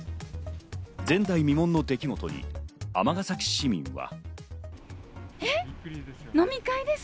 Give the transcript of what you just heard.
前代未聞の出来事に尼崎市民は。